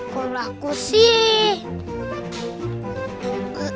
kalau aku sih